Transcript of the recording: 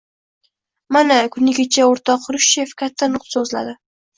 Mana, kuni kecha o‘rtoq Xrushchev katta nutq so‘zladi.